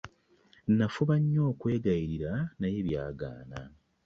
Nafuba nnyo okwegayirira naye byagaana.